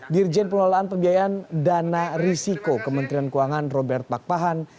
dirjen pengelolaan pembiayaan dana risiko kementerian keuangan robert pakpahan